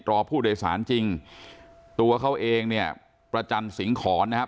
รอผู้โดยสารจริงตัวเขาเองเนี่ยประจันสิงหอนนะครับ